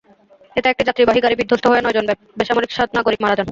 এতে একটি যাত্রীবাহী গাড়ি বিধ্বস্ত হয়ে নয়জন বেসামরিক নাগরিক মারা যান।